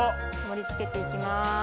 盛り付けて行きます。